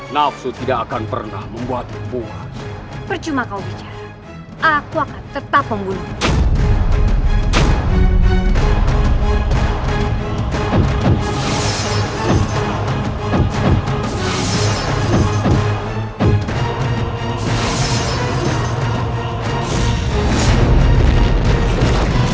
nafsu tidak akan pernah membuat puas percuma kau bicara aku akan tetap membunuhmu